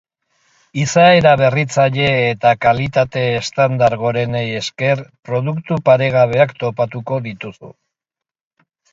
Izaera berriztatzaile eta kalitate estandar gorenei esker produktu paregabeak topatuko dituzu.